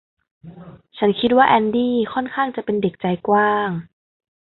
ฉันคิดว่าแอนดี้ค่อนข้างจะเป็นเด็กใจกว้าง